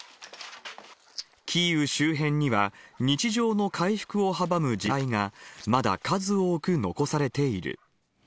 キーウ周辺には、日常の回復を阻む地雷が、まだ数多く残されている。